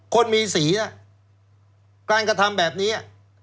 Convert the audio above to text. คนมีสีนะการกระทำแบบนี้